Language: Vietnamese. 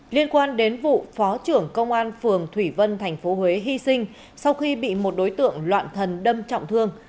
liên quan đến vụ phó trưởng công an phường thủy vân tp huế hy sinh sau khi bị một đối tượng loạn thần đâm trọng thương